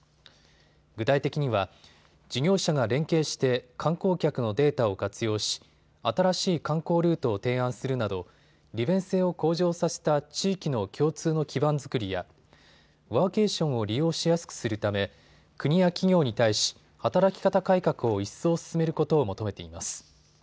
具体的には事業者が連携して観光客のデータを活用し新しい観光ルートを提案するなど利便性を向上させた地域の共通の基盤作りやワーケーションを利用しやすくするため国や企業に対し働き方改革を一層進めることを求めています。